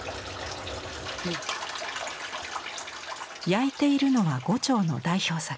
焼いているのは牛腸の代表作。